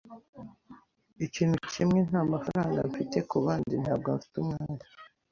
Ikintu kimwe ntamafaranga mfite; kubandi, ntabwo mfite umwanya.